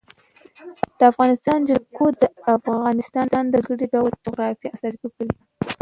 د افغانستان جلکو د افغانستان د ځانګړي ډول جغرافیه استازیتوب کوي.